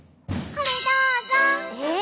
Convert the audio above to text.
これどうぞ。えっ？